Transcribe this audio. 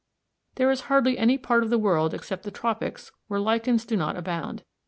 There is hardly any part of the world except the tropics where lichens do not abound.